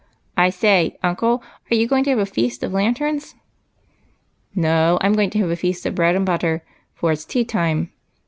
" I say, uncle, are you going to have a Feast of Lanterns ?"" No, I 'm going to have a feast of bread and butter, for it 's tea time.